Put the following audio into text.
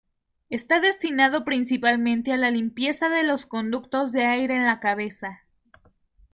Está destinado principalmente a la limpieza de los conductos de aire en la cabeza.